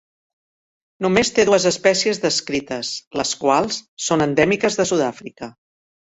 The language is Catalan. Només té dues espècies descrites, les quals són endèmiques de Sud-àfrica.